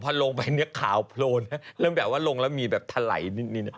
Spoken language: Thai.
พอลงไปเนี่ยขาวโพลนเริ่มแบบว่าลงแล้วมีแบบถลายนิดหน่อย